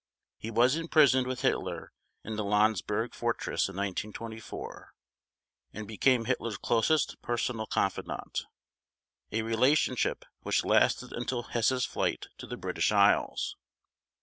He was imprisoned with Hitler in the Landsberg fortress in 1924 and became Hitler's closest personal confidant, a relationship which lasted until Hess' flight to the British Isles.